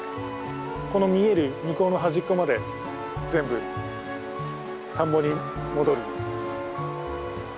この見える向こうの端っこまで全部田んぼに戻る。